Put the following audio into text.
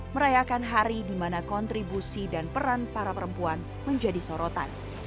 merayakan hari di mana kontribusi dan peran para perempuan menjadi sorotan